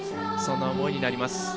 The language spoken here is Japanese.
そんな思いになります。